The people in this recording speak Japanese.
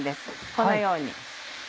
このように。